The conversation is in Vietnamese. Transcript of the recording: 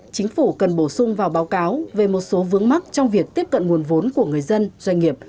chính phủ cần bổ sung vào báo cáo về một số vướng mắt trong việc tiếp cận nguồn vốn của người dân doanh nghiệp